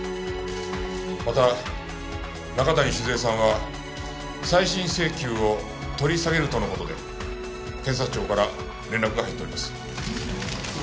また中谷静江さんは再審請求を取り下げるとの事で検察庁から連絡が入っております。